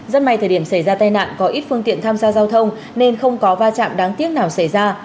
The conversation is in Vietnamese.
rất may thời điểm xảy ra tai nạn có ít phương tiện tham gia giao thông nên không có va chạm đáng tiếc nào xảy ra